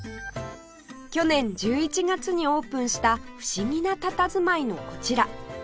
去年１１月にオープンした不思議なたたずまいのこちら